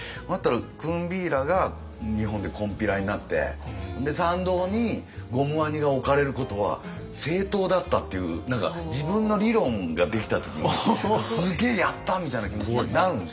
クンビーラが日本で金毘羅になってで参道にゴムワニが置かれることは正当だったっていう何か自分の理論ができた時に「すげえやった！」みたいな気持ちになるんですよ。